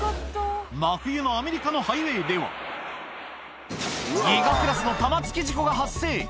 真冬のアメリカのハイウエーでは、ギガクラスの玉突き事故が発生。